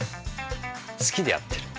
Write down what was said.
すきでやってる。